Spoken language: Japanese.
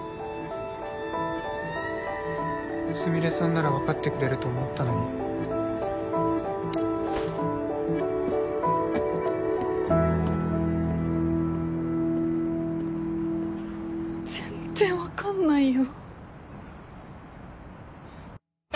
スミレさんなら分かってくれると思ったのに全然分かんないよ